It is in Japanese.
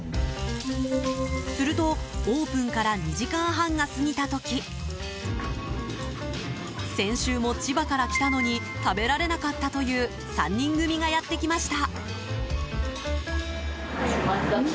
すると、オープンから２時間半が過ぎた時先週も千葉から来たのに食べられなかったという３人組がやってきました。